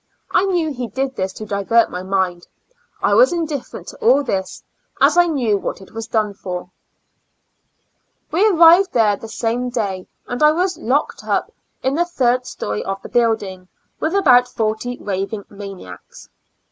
I knew he did this to divert my mind ; I was indifferent to all this, as I knew what it was done for. jiY A L UNA TIC Asylum. 25 We arrived there the same day, and I was locked up in the third story of the building, with about forty raving maniacs.